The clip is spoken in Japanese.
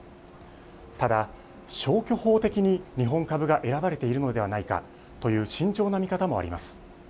ただ消去法的に日本株が選ばれているのではないかという慎重な見方もあります。